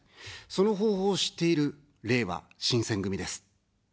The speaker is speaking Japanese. その方法を知っている、れいわ新選組です。